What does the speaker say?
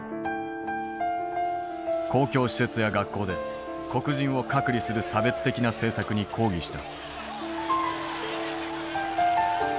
公共施設や学校で黒人を隔離する差別的な政策に抗議した。